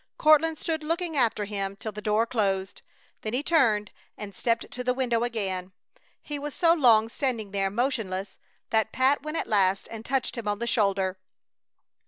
Courtland stood looking after him till the door closed, then he turned and stepped to the window again. He was so long standing there, motionless, that Pat went at last and touched him on the shoulder.